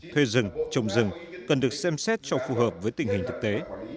thuê rừng trồng rừng cần được xem xét cho phù hợp với tình hình thực tế